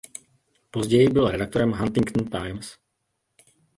Později byl redaktorem Huntington Times.